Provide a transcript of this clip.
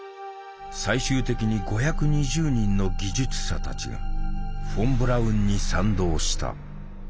最終的に５２０人の技術者たちがフォン・ブラウンに賛同した。